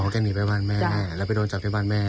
แกหนีไปบ้านแม่แล้วไปโดนจับที่บ้านแม่